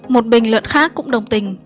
một bình luận khác cũng đồng tình